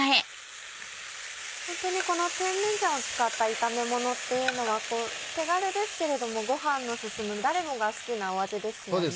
ホントにこの甜麺醤を使った炒め物っていうのは手軽ですけれどもご飯の進む誰もが好きな味ですよね。